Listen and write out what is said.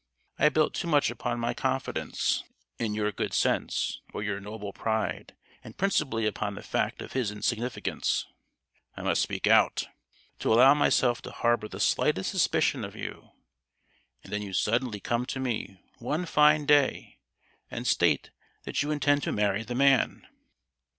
I built too much upon my confidence in your good sense, or your noble pride, and principally upon the fact of his insignificance—(I must speak out!)—to allow myself to harbour the slightest suspicion of you! And then you suddenly come to me, one fine day, and state that you intend to marry the man!